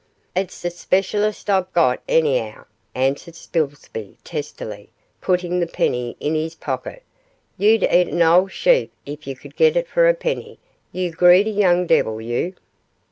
'It's the specialest I've got, any'ow,' answered Spilsby, testily, putting the penny in his pocket; 'you'd eat a 'ole sheep if you could get it for a penny, you greedy young devil, you.